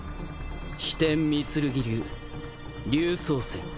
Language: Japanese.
飛天御剣流龍巣閃。